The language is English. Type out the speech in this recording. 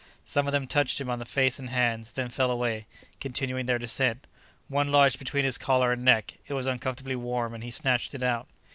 Some of them touched him on the face and hands, then fell away, continuing their descent. One lodged between his collar and neck; it was uncomfortably warm and he snatched it out.